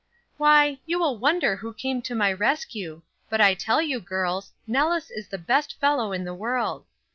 "Why, you will wonder who came to my rescue; but I tell you, girls, Nellis is the best fellow in the world.